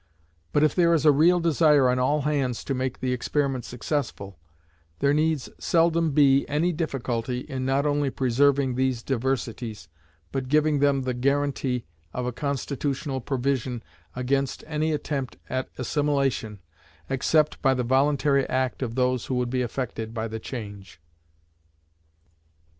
But if there is a real desire on all hands to make the experiment successful, there needs seldom be any difficulty in not only preserving these diversities, but giving them the guaranty of a constitutional provision against any attempt at assimilation except by the voluntary act of those who would be affected by the change.